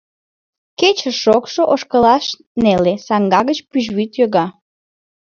Кече шокшо, ошкылаш неле, саҥга гыч пӱжвӱд йога.